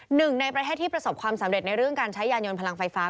หนึ่งในประเทศที่ประสบความสำเร็จในเรื่องการใช้ยานยนต์พลังไฟฟ้า